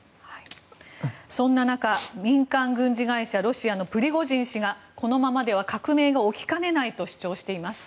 そんな中、民間軍事会社ロシアのプリゴジン氏がこのままでは革命が起きかねないと主張しています。